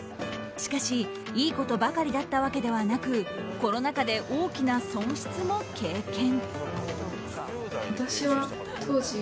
しかし、いいことばかりだったわけではなくコロナ禍で大きな損失も経験。